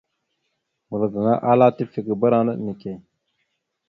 Wal gaŋa ala : tifekeberánaɗ neke.